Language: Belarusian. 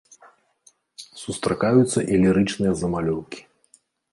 Сустракаюцца і лірычныя замалёўкі.